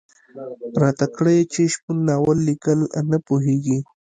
راته کړه یې چې شپون ناول ليکل نه پوهېږي.